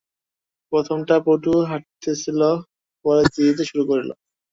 প্রথমটা পটু হারিতেছিল, পরে জিতিতে শুরু করিল।